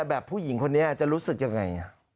แบบผู้หญิงคนนี้จะรู้สึกยังไง